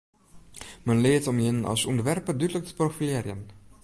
Men leart om jin as ûntwerper dúdlik te profilearjen.